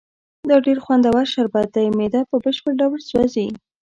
دا ډېر خوندور شربت دی، معده په بشپړ ډول سوځي.